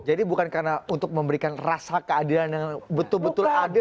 jadi bukan karena untuk memberikan rasa keadilan yang betul betul ada